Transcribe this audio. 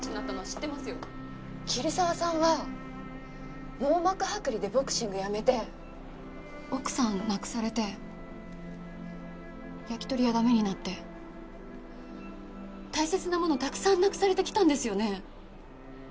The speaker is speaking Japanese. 桐沢さんは網膜剥離でボクシングやめて奥さん亡くされて焼き鳥屋駄目になって大切なものをたくさんなくされてきたんですよね？